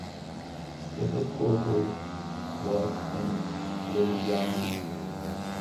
The headquarters was in Viljandi.